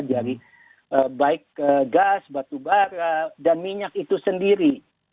dari baik gas batu bara dan minyak itu sendiri